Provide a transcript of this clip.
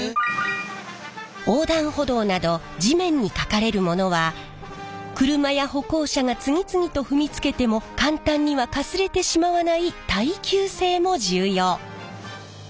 横断歩道など地面にかかれるものは車や歩行者が次々と踏みつけても簡単にはかすれてしまわない耐久性も重要。